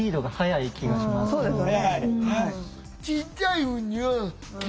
そうですよね。